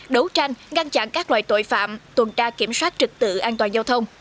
đấu tranh ngăn chặn các loại tội phạm tuần tra kiểm soát trực tự an toàn giao thông